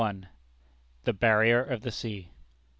THE BARRIER OF THE SEA.